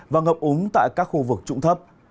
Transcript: và ngập úng tại các khu vực trụng thấp